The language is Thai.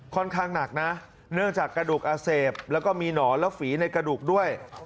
หนักนะเนื่องจากกระดูกอักเสบแล้วก็มีหนอนและฝีในกระดูกด้วย